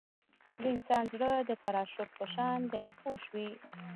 د انسان زړه د پراشوټ په شان دی پوه شوې!.